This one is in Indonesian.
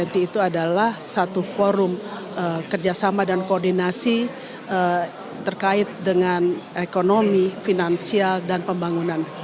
itu adalah satu forum kerjasama dan koordinasi terkait dengan ekonomi finansial dan pembangunan